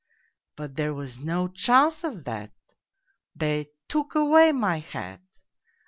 But there was no chance of that, they took away my hat